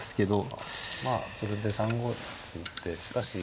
まあこれで３五歩突いてしかし。